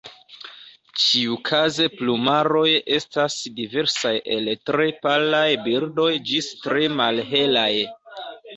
Ĉiukaze plumaroj estas diversaj el tre palaj birdoj ĝis tre malhelaj.